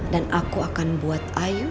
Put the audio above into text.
dan aku akan buat ayu